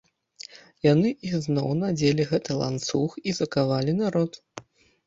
Яны ізноў надзелі гэты ланцуг і закавалі народ.